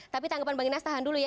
tapi tanggapan bang inas tahan dulu ya